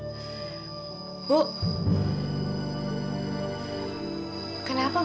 tapi dia juga yang namanya